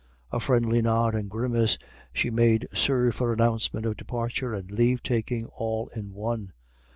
A friendly nod and grimace she made serve for announcement of departure and leavetaking all in one.